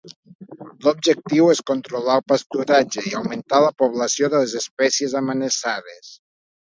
L'objectiu és controlar el pasturatge, i augmentar la població de les espècies amenaçades.